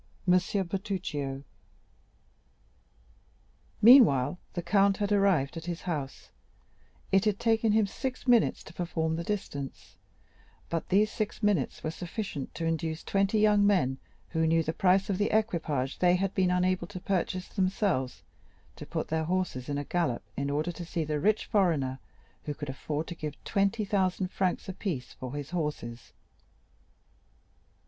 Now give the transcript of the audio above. Monsieur Bertuccio Meanwhile the count had arrived at his house; it had taken him six minutes to perform the distance, but these six minutes were sufficient to induce twenty young men who knew the price of the equipage they had been unable to purchase themselves, to put their horses in a gallop in order to see the rich foreigner who could afford to give 20,000 francs apiece for his horses.